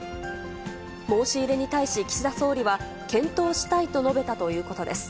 申し入れに対し、岸田総理は、検討したいと述べたということです。